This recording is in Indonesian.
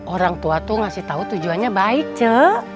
orang tua tuh ngasih tau tujuannya baik ce